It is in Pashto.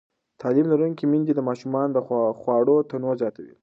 تعلیم لرونکې میندې د ماشومانو د خواړو تنوع زیاتوي.